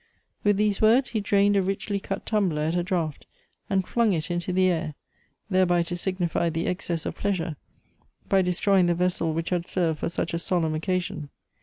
With these words he drained a richly cut tumbler at a draught, and flung it into the air, thereby to signify tlie excess of pleasure by destroying the vessel which had served for such a solemn occasion.